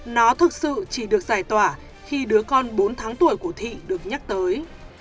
nó thực sự chỉ được giải tỏa khi đứa con bốn tháng tuổi của thị được nhắc tới